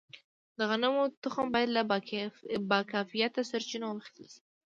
د غنمو تخم باید له باکیفیته سرچینو واخیستل شي.